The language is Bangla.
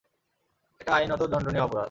এটা আইনত দণ্ডনীয় অপরাধ।